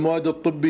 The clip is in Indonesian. kepada warga zipil